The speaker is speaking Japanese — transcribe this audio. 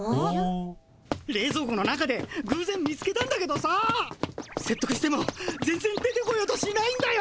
れいぞう庫の中でぐうぜん見つけたんだけどさせっとくしても全ぜん出てこようとしないんだよ。